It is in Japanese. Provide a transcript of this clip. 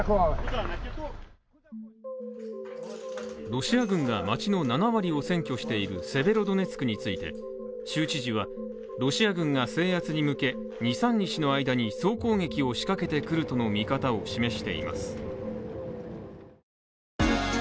ロシア軍が街の７割を占拠しているセベロドネツクについて州知事はロシア軍が制圧に向け２３日の間にここからは「ｎｅｗｓｔｏｒｉｅｓ」です。